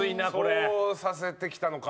そうさせてきたのか。